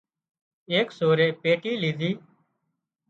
ايڪ سورئي پيٽي ليڌي